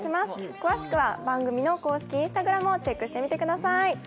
詳しくは番組の公式Ｉｎｓｔａｇｒａｍをチェックしてみてください。